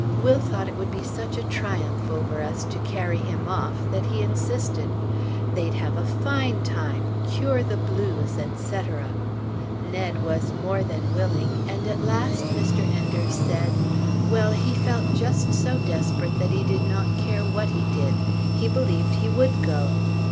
Will thought it would be such a triumph over us to carry him off, that he insisted. They'd have a fine time! cure the blues! etc. Ned was more than willing; and at last Mr. Enders said, Well! he felt just so desperate that he did not care what he did; he believed he would go.